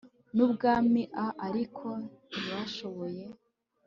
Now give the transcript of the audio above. n ubwami a ariko ntibashoboye